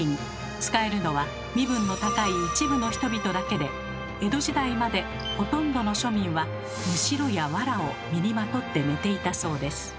使えるのは身分の高い一部の人々だけで江戸時代までほとんどの庶民はむしろやわらを身にまとって寝ていたそうです。